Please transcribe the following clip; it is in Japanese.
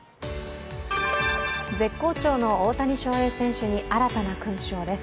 絶好調の大谷翔平選手に新たな勲章です。